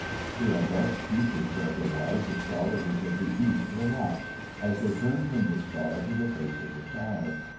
The august features of the wise astrologers of the East relax, as they turn from the Star to the face of the Child.